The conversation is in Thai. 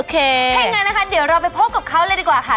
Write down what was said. ถ้าอย่างนั้นนะคะเดี๋ยวเราไปพบกับเขาเลยดีกว่าค่ะ